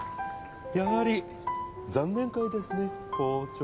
やはり残念会ですね校長。